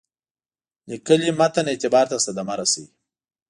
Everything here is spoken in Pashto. لیکلي متن اعتبار ته صدمه رسوي.